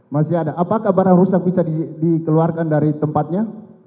masih ada apakah barang rusak bisa dikeluarkan dari tempatnya